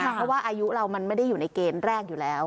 เพราะว่าอายุเรามันไม่ได้อยู่ในเกณฑ์แรกอยู่แล้ว